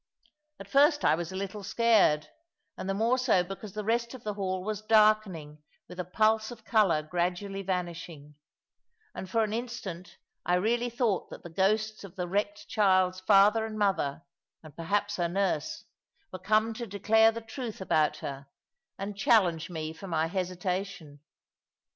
At first I was a little scared, and the more so because the rest of the hall was darkening with a pulse of colour gradually vanishing; and for an instant I really thought that the ghosts of the wrecked child's father and mother, and perhaps her nurse, were come to declare the truth about her, and challenge me for my hesitation.